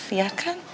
proses ya kan